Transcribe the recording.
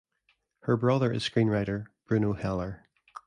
Her brother is screenwriter Bruno Heller.